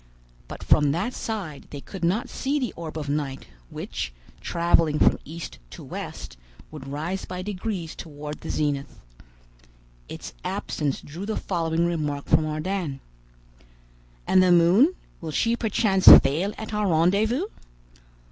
But from that side they could not see the orb of night, which, traveling from east to west, would rise by degrees toward the zenith. Its absence drew the following remark from Ardan: "And the moon; will she perchance fail at our rendezvous?"